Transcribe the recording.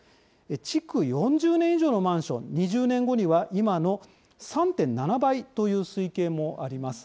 築４０年以上のマンション、２０年後には今の３．７倍という推計もあります。